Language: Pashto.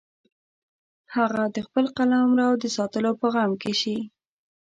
هغه د خپل قلمرو د ساتلو په غم کې شي.